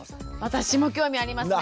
私も興味ありますね。